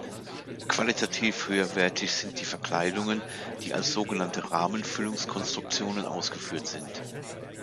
Qualitativ höherwertig sind die Verkleidungen, die als sogenannte Rahmen-Füllungs-Konstruktionen ausgeführt sind.